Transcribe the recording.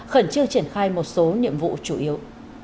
khẩn trương triển khai một số nhiệm vụ chủ yếu